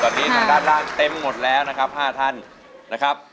ตอนนี้ทางด้านล่างเต็มหมดแล้วนะครับ๕ท่านนะครับ